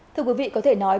thưa quý vị có thể nói